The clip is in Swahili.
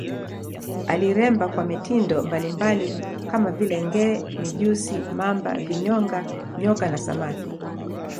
Aliremba kwa mitindo mbalimbali kama vile nge, mijusi, mamba, vinyonga, nyoka na samaki.